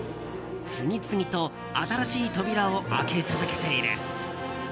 次々と新しい扉を開け続けている。